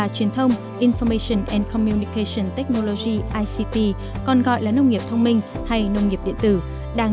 chương trình nhân dân